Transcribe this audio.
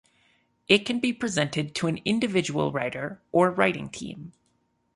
It can be presented to an individual writer or writing team.